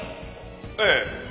ええ。